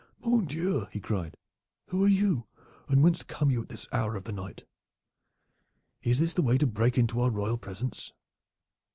"Mon Dieu!" he cried. "Who are you and whence come you at this hour of the night? Is this the way to break into our royal presence?"